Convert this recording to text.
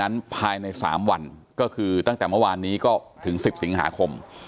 ภายใน๓วันก็คือตั้งแต่เมื่อวานนี้ก็ถึง๑๐สิงหาคม